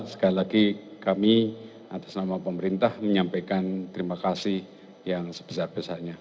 sekali lagi kami atas nama pemerintah menyampaikan terima kasih yang sebesar besarnya